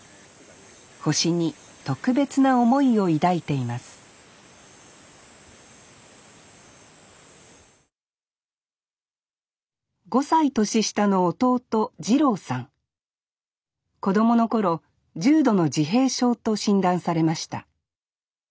星に特別な思いを抱いています５歳年下の弟子供の頃重度の自閉症と診断されました。